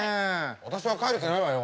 私は帰る気ないわよ！